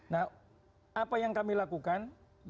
nah apa yang kami lakukan